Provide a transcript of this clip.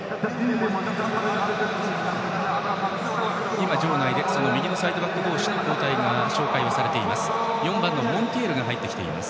今、場内で右サイドバック同士の交代が紹介されています。